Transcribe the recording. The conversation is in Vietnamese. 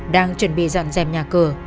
đang chuẩn bị dọn dẹp nhà cửa